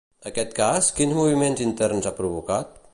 Aquest cas, quins moviments interns ha provocat?